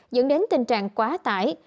dẫn đến tình trạng quá tải